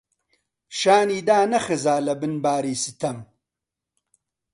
شانی دانەخزا لەبن باری ستەم،